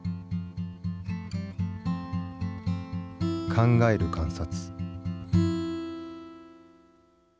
「考える観察」。